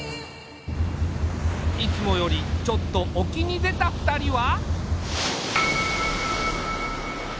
いつもよりちょっと沖に出た２人は。